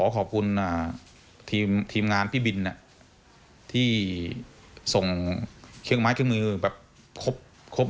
ใคร่งานมาช่วย